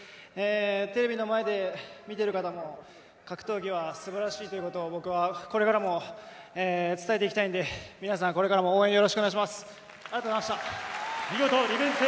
テレビの前で見ている方も格闘技は素晴らしいということを僕はこれからも伝えていきたいんで皆さん、これからも応援よろしくお願いします。